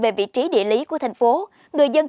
về vị trí địa lý của thành phố người dân